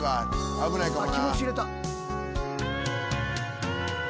危ないかもな。